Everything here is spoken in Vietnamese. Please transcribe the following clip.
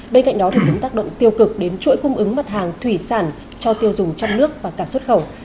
bên cạnh đó thì cũng tác động tiêu cực đến chuỗi cung ứng mặt hàng thủy sản cho tiêu dùng trong nước và cả xuất khẩu